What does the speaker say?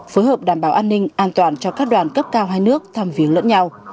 phối hợp đảm bảo an ninh an toàn cho các đoàn cấp cao hai nước tham viên lẫn nhau